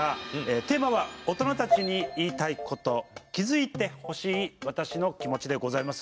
テーマは「大人たちに言いたいこと」「気づいてほしい私の気持ち」でございます。